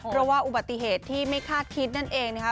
เพราะว่าอุบัติเหตุที่ไม่คาดคิดนั่นเองนะคะ